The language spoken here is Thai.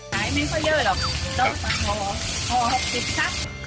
ขายไม่พอเยอะหรอกต้องต่อต่อ๖๐ครับ